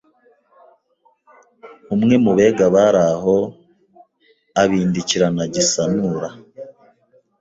umwe mu Bega bari aho abindikirana Gisanura,